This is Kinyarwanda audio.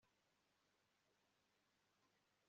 ntukarongore